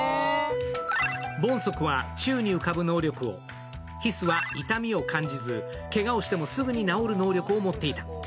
ボンソクは、宙に浮かぶ能力を、ヒスは痛みを感じず、けがをしてもすぐに治る能力を持っていた。